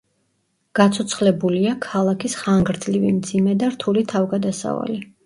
გაცოცხლებულია ქალაქის ხანგრძლივი, მძიმე და რთული თავგადასავალი.